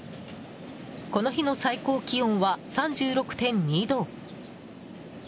この日の最高気温は３６２度。